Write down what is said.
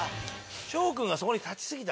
紫耀君そこに立ち過ぎた？